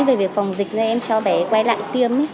về việc phòng dịch cho bé em quay lại tiêm